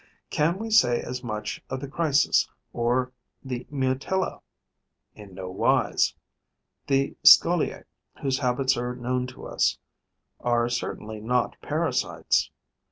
Can we say as much of the Chrysis or the Mutilla? In no wise. The Scoliae, whose habits are known to us, are certainly not parasites.